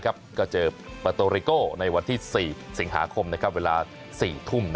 ก็เจอปาโตริโก้ในวันที่๔สิงหาคมเวลา๔ทุ่ม